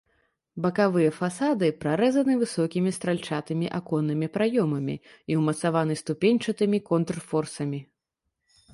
Бакавыя фасады прарэзаны высокімі стральчатымі аконнымі праёмамі і ўмацаваны ступеньчатымі контрфорсамі.